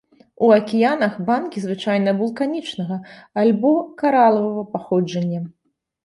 У акіянах банкі звычайна вулканічнага або каралавага паходжання.